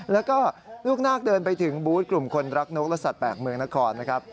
แล้วก็ลูกนาคเดินไปถึงบูธกลุ่มคนรักนกและสัตว์แปลกเมืองนครนะครับ